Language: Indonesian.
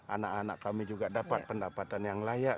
anak anak kami juga dapat pendapatan yang layak